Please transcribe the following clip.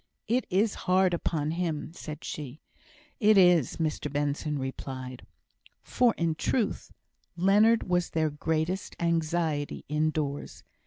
"It is hard upon him," said she. "It is," Mr Benson replied. For in truth, Leonard was their greatest anxiety indoors.